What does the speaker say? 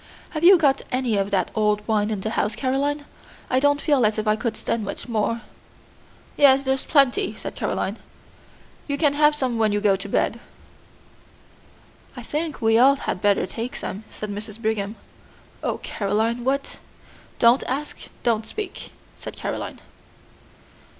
"Have you got any of that old wine in the house, Caroline? I don't feel as if I could stand much more." "Yes, there's plenty," said Caroline; "you can have some when you go to bed." "I think we had all better take some," said Mrs. Brigham. "Oh, Caroline, what " "Don't ask; don't speak," said Caroline.